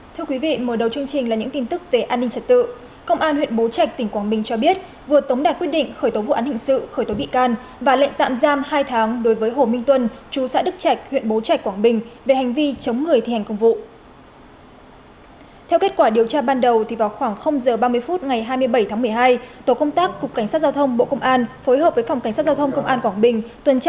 tổ công tác cục cảnh sát giao thông bộ công an phối hợp với phòng cảnh sát giao thông công an quảng bình tuần tra kiểm soát giao thông trên quốc lộ một a thuộc địa phận xã hải trạch huyện bố trạch quảng bình